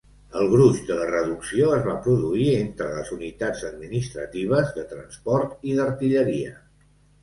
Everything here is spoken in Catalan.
El gruix de la reducció es va produir entre les unitats administratives, de transport i d'artilleria.